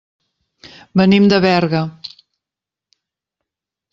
Venim de Berga.